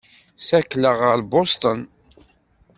Ssakleɣ ɣer Bustun.